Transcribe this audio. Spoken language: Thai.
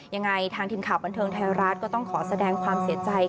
ยังไงทางทีมข่าวบันเทิงไทยรัฐก็ต้องขอแสดงความเสียใจ